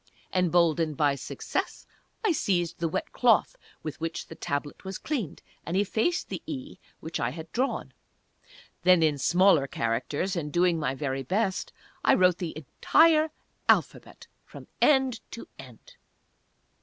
Emboldened by success I seized the wet cloth with which the Tablet was cleaned, and effaced the "E" which I had drawn. Then, in smaller characters, and doing my very best, I wrote the entire Alphabet, from end to end.